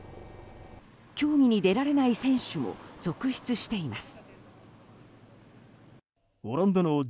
競技に出られない選手も続出しています。